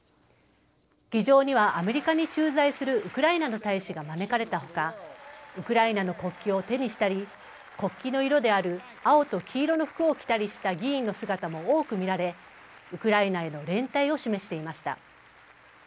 議場にはアメリカに駐在するウクライナの大使が招かれたほかウクライナの国旗を手にしたり国旗の色である青と黄色の服を着たりした議員の姿も多く見られウクライナへの連帯を示していました。